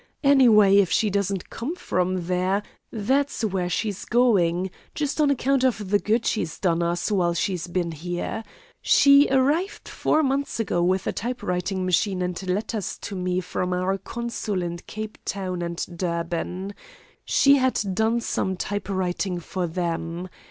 "Anyway, if she doesn't come from there, that's where she's going just on account of the good she's done us while she's been here. She arrived four months ago with a typewriting machine and letters to me from our consuls in Cape Town and Durban. She had done some typewriting for them.